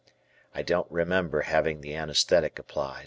I don't remember having the anesthetic applied.